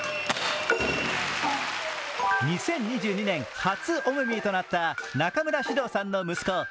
２０２２年、初お目見えとなった中村獅童さんの息子